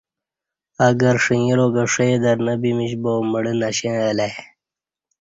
اگر ݜݣراکہ ݜئ در نہ بمیش با مڑہ نشیں اہ لہ ای